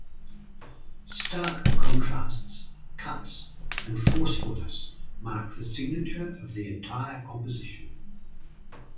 Stark contrasts, cuts and forcefulness mark the signature of the entire composition.